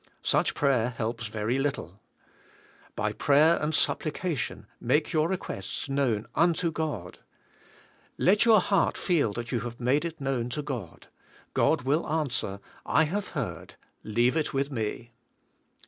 Such prayer helps very little. *'By prayer and supplication make your requests known unto God.'''' Let your heart feel that you have made it known to God. God will answer, *'I have heard; leave it with me."